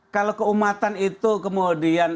kalau keumatan itu kemudian